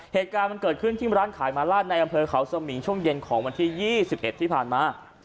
เหตุการณ์มันเกิดขึ้นที่ร้านขายมาลาดในอำเภอเขาสมิงช่วงเย็นของวันที่๒๑ที่ผ่านมา